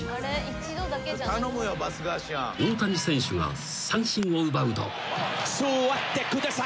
［大谷選手が三振を奪うと］